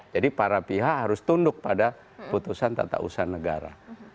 jadi para pihak harus tunduk pada putusan tata usaha negara